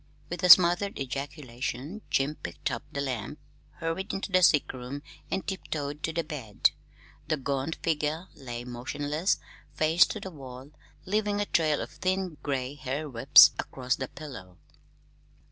With a smothered ejaculation Jim picked up the lamp, hurried into the sick room, and tiptoed to the bed. The gaunt figure lay motionless, face to the wall, leaving a trail of thin gray hair wisps across the pillow.